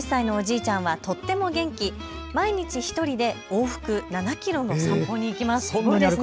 ９０歳のおじいちゃんはとっても元気、毎日１人で往復７キロの散歩に行きます。